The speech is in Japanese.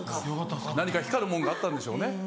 何か光るものがあったんでしょうね。